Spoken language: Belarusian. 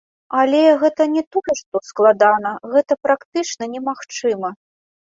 Але, гэта не тое што складана, гэта практычна немагчыма.